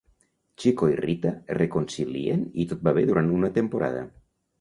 Chico i Rita es reconcilien i tot va bé durant una temporada.